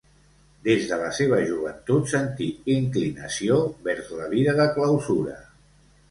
Des de la seva joventut sentí inclinació vers la vida de clausura.